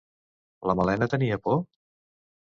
La Malena tenia por?